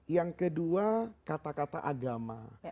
yang kedua kata kata agama